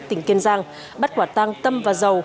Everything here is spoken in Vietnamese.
tỉnh kiên giang bắt quả tăng tâm và dầu